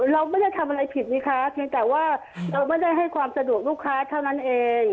เราไม่ได้ทำอะไรผิดไงคะเพียงแต่ว่าเราไม่ได้ให้ความสะดวกลูกค้าเท่านั้นเอง